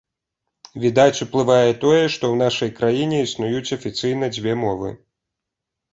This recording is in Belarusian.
Відаць, уплывае тое, што ў нашай краіне існуюць афіцыйна дзве мовы.